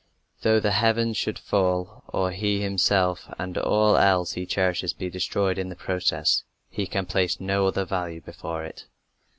Though the heavens should fall, or he himself and all else he cherishes be destroyed in the process, he can place no other value before it.